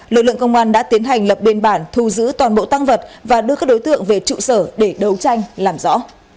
lực lượng công an đã tiến hành lập biên bản thu giữ toàn bộ tăng vật và đưa các đối tượng về trụ sở để đấu tranh làm rõ